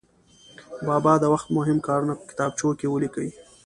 بابا د وخت مهم کارونه په کتابچو کې ولیکي.